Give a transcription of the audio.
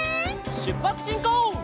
しゅっぱつしんこう！